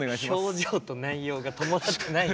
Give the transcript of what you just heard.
表情と内容が伴ってないよ。